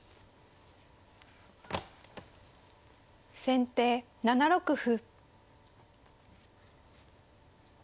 先手７六歩。